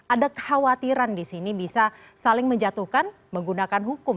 ada kekhawatiran di sini bisa saling menjatuhkan menggunakan hukum